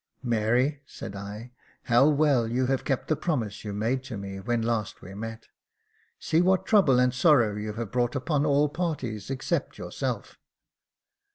" Mary," said I, " how well you have kept the promise you made to me when last we met ! See what trouble and sorrow you have brought upon all parties except yourself."